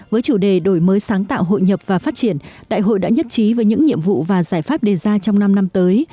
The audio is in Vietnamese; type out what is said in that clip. với chủ đề đổi mới sáng tạo hội nhập và phát triển đại hội đã nhất trí với những nhiệm vụ và giải pháp đề ra trong năm năm tới